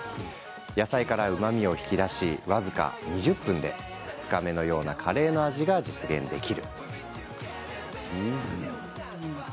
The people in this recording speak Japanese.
野菜からうまみを引き出し僅か２０分で２日目のようなカレーの味が実現できるんです！